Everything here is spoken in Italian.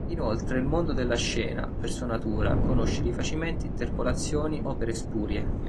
Inoltre il mondo della scena, per sua natura, conosce rifacimenti, interpolazioni, opere spurie.